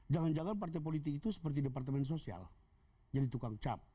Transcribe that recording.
jangan jangan partai politik itu seperti departemen sosial jadi tukang cap